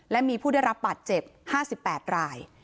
และมีผู้ได้รับบาดเจ็บ๕๘ราย